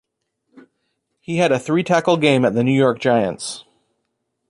He had a three-tackle game at the New York Giants.